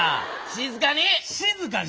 静かに！